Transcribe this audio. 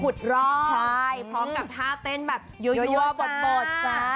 ขุดร่องใช่พร้อมกับท่าเต้นแบบโยยวะบดจ้า